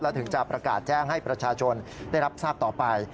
ถึงจะประกาศแจ้งให้ประชาชนได้รับทราบต่อไป